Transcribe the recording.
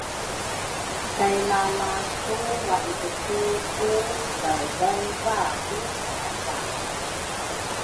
kay lalasu wailuku ku vaevaeva ku karadrale.